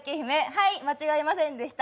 はい、間違えませんでした。